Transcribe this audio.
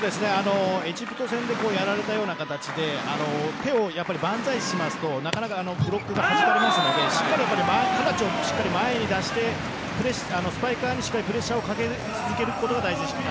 エジプト戦でやられたような形で手をばんざいするとなかなかブロックがはじかれるのでしっかり手の形を前に出してスパイカーにプレッシャーをかけ続けることが大事です。